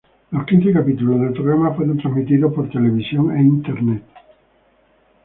Los quince capítulos del programa fueron transmitidos por televisión e Internet.